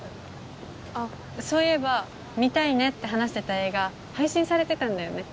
あっそういえば見たいねって話してた映画配信されてたんだよね。